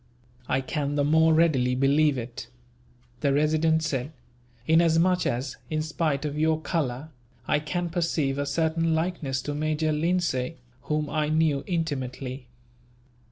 "I can the more readily believe it," the Resident said, "inasmuch as, in spite of your colour, I can perceive a certain likeness to Major Lindsay, whom I knew intimately."